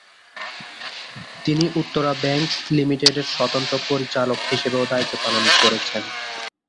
তিনি উত্তরা ব্যাংক লিমিটেডের স্বতন্ত্র পরিচালক হিসেবেও দায়িত্ব পালন করেছেন।